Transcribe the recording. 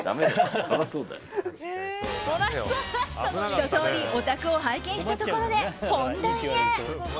ひと通りお宅を拝見したところで本題へ。